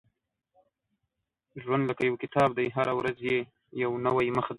• ژوند لکه یو کتاب دی، هره ورځ یې یو نوی مخ دی.